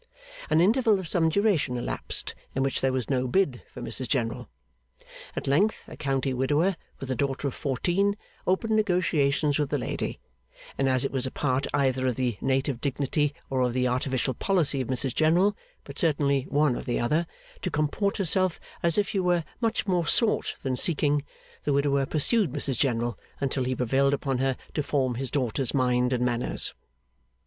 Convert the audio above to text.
An interval of some duration elapsed, in which there was no bid for Mrs General. At length a county widower, with a daughter of fourteen, opened negotiations with the lady; and as it was a part either of the native dignity or of the artificial policy of Mrs General (but certainly one or the other) to comport herself as if she were much more sought than seeking, the widower pursued Mrs General until he prevailed upon her to form his daughter's mind and manners.